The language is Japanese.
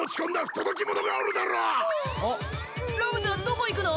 ラムちゃんどこ行くの？